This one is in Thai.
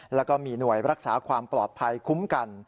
แล้วก็มีหน่วยรักษาความปลอดภัยคุ้มกัน